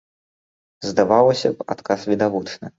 Здавалася б, адказ відавочны.